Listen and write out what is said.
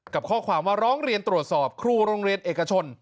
กับข้อความว่าร้องเรียนตรวจสอบครูโรงเรียนเอกชน